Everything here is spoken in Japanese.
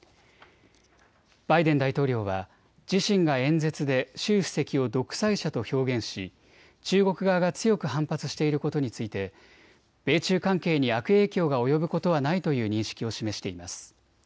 バイデン大統領は自身が演説で習主席を独裁者と表現し中国側が強く反発していることについて米中関係に悪影響が及ぶことはないという認識を示しています。